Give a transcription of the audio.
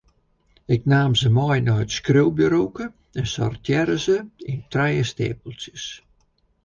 Ik naam se mei nei it skriuwburoke en sortearre se yn trije steapeltsjes.